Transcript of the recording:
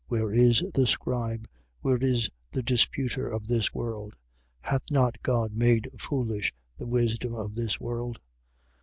Where is the scribe? Where is the disputer of this world? Hath not God made foolish the wisdom of this world?